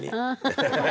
ハハハハ！